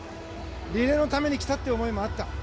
リレーのためにきたっていう思いもあった。